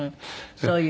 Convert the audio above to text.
そういう？